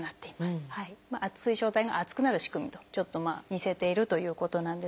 水晶体が厚くなる仕組みとちょっとまあ似せているということなんですが。